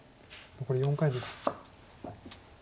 残り４回です。